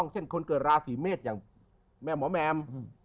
เช่นคนเกิดราศีเมฆแม่หมวมแม๊ม